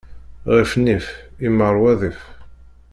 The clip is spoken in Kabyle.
Ɣef nnif, immar wadif.